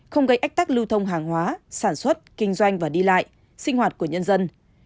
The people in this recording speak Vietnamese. không gây ách tắc lưu thông hàng hóa sản xuất kinh doanh và đi lại sinh hoạt của nhân dân